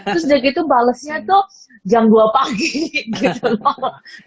terus udah gitu balesnya tuh jam dua pagi gitu loh